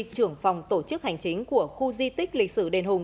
trưởng phòng tổ chức hành chính của khu di tích lịch sử đền hùng